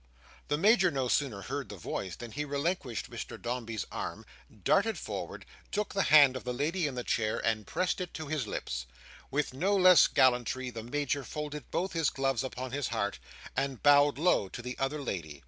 The Major no sooner heard the voice, than he relinquished Mr Dombey's arm, darted forward, took the hand of the lady in the chair and pressed it to his lips. With no less gallantry, the Major folded both his gloves upon his heart, and bowed low to the other lady.